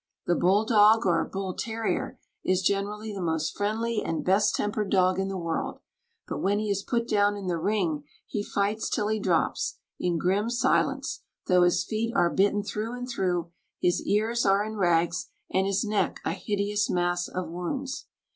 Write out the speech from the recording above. The bull dog or bull terrier is generally the most friendly and best tempered dog in the world; but when he is put down in the ring he fights till he drops, in grim silence, though his feet are bitten through and through, his ears are in rags, and his neck a hideous mass of wounds.